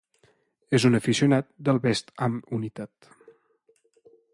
És un aficionat del West Ham United.